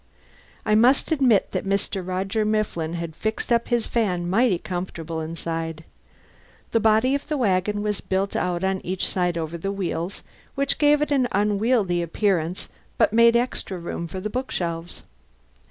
I must admit that Mr. Roger Mifflin had fixed up his van mighty comfortably inside. The body of the wagon was built out on each side over the wheels, which gave it an unwieldy appearance but made extra room for the bookshelves.